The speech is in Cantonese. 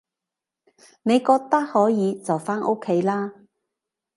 你覺得可以就返屋企啦